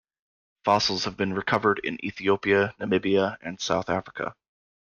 Fossils have been recovered in Ethiopia, Namibia and South Africa.